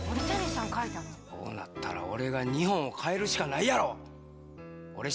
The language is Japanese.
こうなったら、俺が日本を変えるしかないやろ。